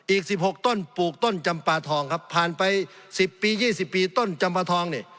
อีกสิบหกต้นปลูกต้นจำปลาทองครับผ่านไปสิบปียี่สิบปีต้นจำปลาทองนี่